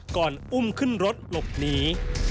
ก่อนอุ้มขึ้นรถหลบหนี